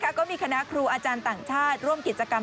ก็มีคณะครูอาจารย์ต่างชาติร่วมกิจกรรม